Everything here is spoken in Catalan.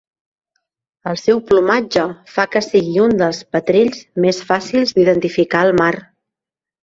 El seu plomatge fa que sigui un dels petrells més fàcils d'identificar al mar.